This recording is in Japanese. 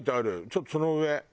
ちょっとその上。